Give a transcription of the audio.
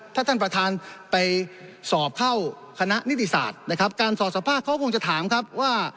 ถ้าท่านประธานไปสอบเข้าคณะนิติศาสตร์นะครับการสอบสภาพเขาคงจะถามครับว่า